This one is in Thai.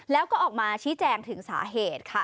แล้วก็ออกมาชี้แจงถึงสาเหตุค่ะ